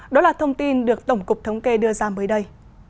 đó là thông tin được tổng cục thống kê đưa ra mới đây